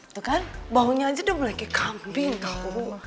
tuh kan baunya aja udah mulai kayak kambing tau